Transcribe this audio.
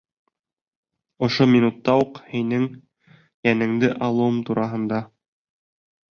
— Ошо минутта уҡ һинең йәнеңде алыуым тураһында.